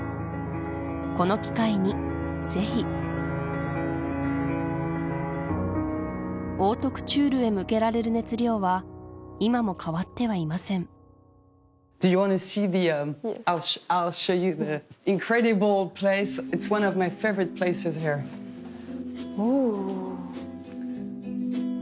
この機会にぜひオートクチュールへ向けられる熱量は今も変わってはいませんおぉ！